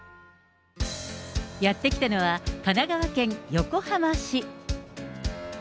やって来たのは、神奈川県横浜市。